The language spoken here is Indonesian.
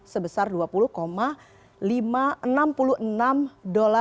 sebesar rp dua puluh lima juta